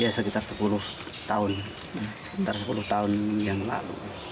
ya sekitar sepuluh tahun sekitar sepuluh tahun yang lalu